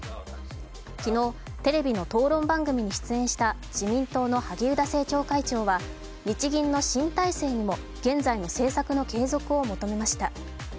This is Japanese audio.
昨日、テレビの討論番組に出演した自民党の萩生田政調会長は日銀の新体制にも現在の政策の継続を求めました。